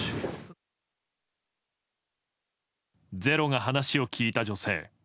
「ｚｅｒｏ」が話を聞いた女性。